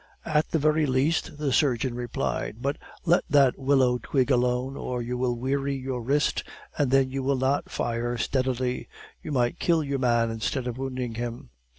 "At the very least," the surgeon replied; "but let that willow twig alone, or you will weary your wrist, and then you will not fire steadily. You might kill your man instead of wounding him."